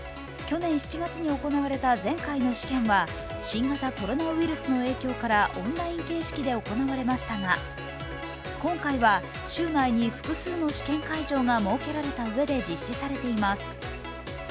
去年７月に行われた前回の試験は新型コロナウイルスの影響からオンライン形式で行われましたが、今回は州内に複数の試験会場が設けられたうえで実施されています。